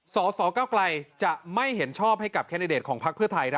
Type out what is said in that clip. สสเก้าไกลจะไม่เห็นชอบให้กับแคนดิเดตของพักเพื่อไทย